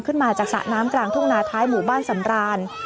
ขึ้นมาจากสระน้ำกลางทุ่งนาท้ายหมู่บ้านสำราน